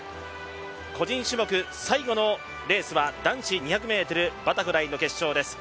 個人種目最後のレースは男子２００ｍバタフライの決勝です。